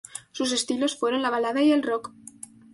Sus estilos fueron la balada y el rock.